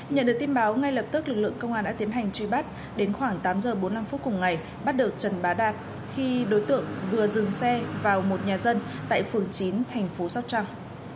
nhận được tin báo ngay lập tức lực lượng công an đã tiến hành truy bắt đến khoảng tám giờ bốn mươi năm phút cùng ngày bắt được trần bá đạt khi đối tượng vừa dừng xe vào một nhà dân tại phường chín thành phố sóc trăng